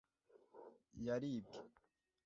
yaribwe